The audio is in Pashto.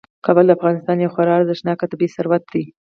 کابل د افغانستان یو خورا ارزښتناک طبعي ثروت دی.